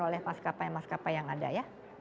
oleh pas kapai pas kapai yang ada ya